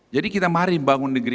jadi kita mari bangun negeri